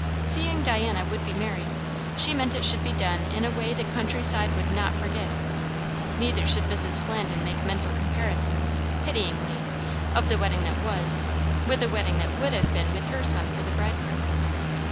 Seeing Diana would be married, she meant it should be done in a way the country side would not forget; neither should Mrs. Flandin make mental comparisons, pityingly, of the wedding that was, with the wedding that would have been with her son for the bridegroom.